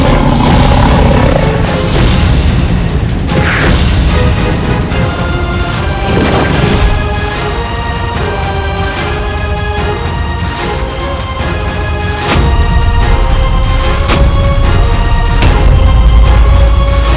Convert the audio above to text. bagaimana cara mereka interior